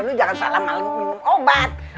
lo jangan salah malu minum obat